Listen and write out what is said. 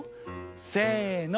せの！